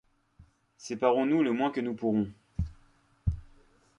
Séparons-nous le moins que nous pourrons. .